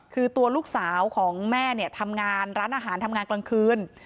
คือตัวลูกสาวของแม่เนี่ยทำงานร้านอาหารทำงานกลางคืน